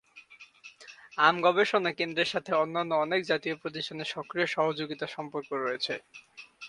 আম গবেষণা কেন্দ্রের সাথে অন্যান্য অনেক জাতীয় প্রতিষ্ঠানের সক্রিয় সহযোগিতার সম্পর্ক রয়েছে।